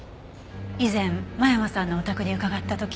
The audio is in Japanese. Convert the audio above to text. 以前間山さんのお宅に伺った時。